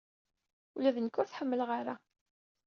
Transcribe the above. Ula d nekk ur tt-ḥemmleɣ ara.